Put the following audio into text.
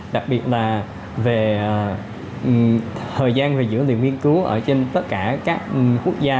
đặc biệt là về thời gian về dữ liệu nghiên cứu ở trên tất cả các quốc gia